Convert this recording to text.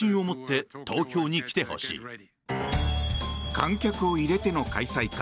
観客を入れての開催か